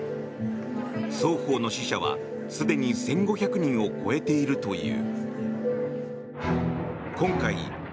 双方の死者はすでに１５００人を超えているという。